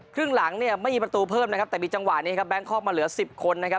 ครึ่งหลังไม่มีประตูเพิ่มนะครับแต่มีจังหวะนี้แบงค์คอกมาเหลือ๑๐คนนะครับ